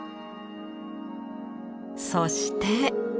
そして。